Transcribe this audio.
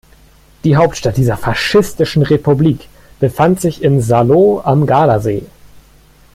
Die Hauptstadt dieser faschistischen Republik befand sich in Salò am Gardasee.